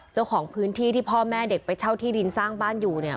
เจ้าของพื้นที่ที่พ่อแม่เด็กไปเช่าที่ดินสร้างบ้านอยู่เนี่ย